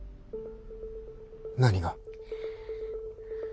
何が？